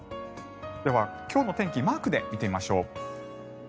では、今日の天気をマークで見てみましょう。